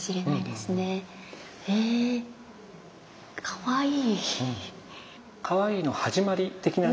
かわいい。